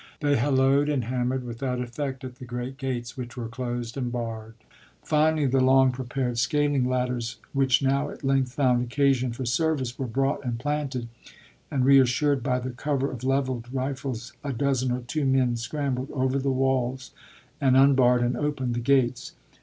They halloed and hammered without effect at the great gates which were closed and barred. Finally the long prepared scaling ladders, which now at length found occasion for service, were brought and planted, and re assured by the cover of leveled rifles a dozen or two men scram bled over the walls, and unbarred and opened the gates.